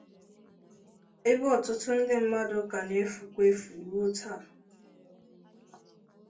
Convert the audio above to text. ebe ọtụtụ ndị mmadụ ka na-efukwa efu ruo taa.